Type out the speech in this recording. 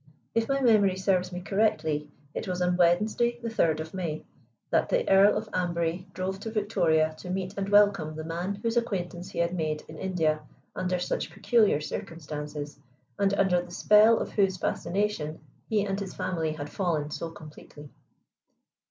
If my memory serves me correctly, it was on Wednesday, the 3rd of May, that the Earl of Amberley drove to Victoria to meet and welcome the man whose acquaintance he had made in India under such peculiar circumstances, and under the spell of whose fascination he and his family had fallen so completely.